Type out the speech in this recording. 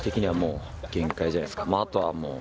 まああとはもう